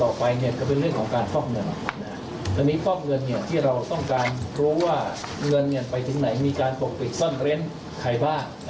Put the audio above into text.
ใครบ้างอะไรอย่างนี้ครับ